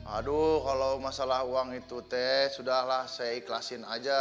aduh kalau masalah uang itu teh sudah lah saya ikhlasin aja